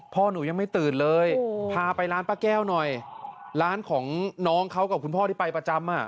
พ่อหนูยังไม่ตื่นเลยพาไปร้านป้าแก้วหน่อยร้านของน้องเขากับคุณพ่อที่ไปประจำอ่ะ